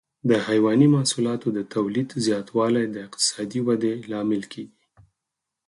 د حيواني محصولاتو د تولید زیاتوالی د اقتصادي ودې لامل کېږي.